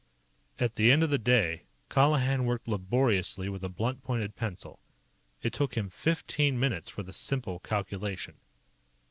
At the end of the day, Colihan worked laboriously with a blunt pointed pencil. It took him fifteen minutes for the simple calculation.